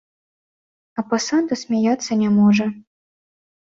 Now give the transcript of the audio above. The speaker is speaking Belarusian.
А пасада смяяцца не можа.